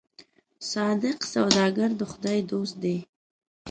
صادق سوداګر د خدای دوست دی.